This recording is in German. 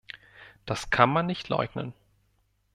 Das kann man nicht leugnen.